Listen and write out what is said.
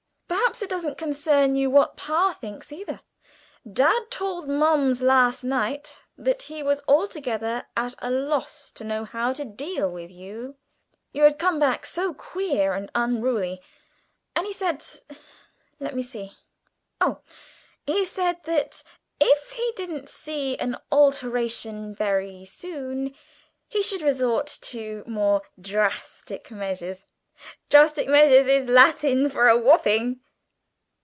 "Perhaps it doesn't concern you what pa thinks either? Dad told Mums last night that he was altogether at a loss to know how to deal with you, you had come back so queer and unruly. And he said, let me see, oh, he said that 'if he didn't see an alteration very soon he should resort to more drastic measures' drastic measures is Latin for a whopping."